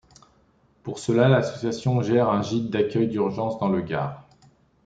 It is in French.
Pour cela l'association gère un gîte d'accueil d'urgence dans le Gard.